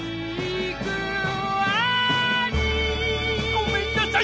ごめんなさい